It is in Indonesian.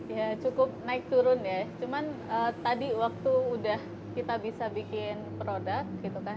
ya cukup naik turun ya cuman tadi waktu udah kita bisa bikin produk gitu kan